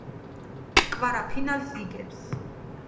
კვარა ფინალს იგებს